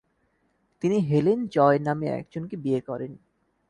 তিনি Helen Joy নামে একজনকে বিয়ে করেন।